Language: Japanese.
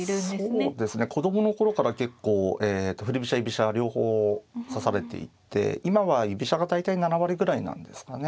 そうですね子供の頃から結構振り飛車居飛車両方指されていて今は居飛車が大体７割ぐらいなんですかね。